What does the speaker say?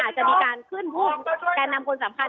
จะมีการขึ้นผู้แก่นำคนสำคัญ